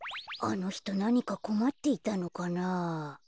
あのひとなにかこまっていたのかなあ。